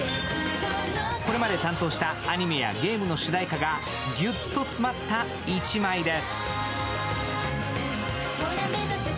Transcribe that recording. これまで担当したアニメやゲームの主題歌がギュッと詰まった１枚です。